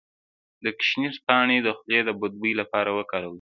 د ګشنیز پاڼې د خولې د بد بوی لپاره وکاروئ